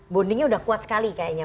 bondingnya udah kuat sekali kayaknya